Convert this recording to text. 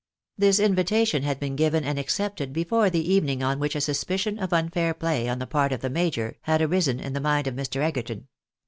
This invitation had been given and accepted before the evening on which a suspicion of unfair play, on the part of the major, had arisen in the mind of Mr. Egerton.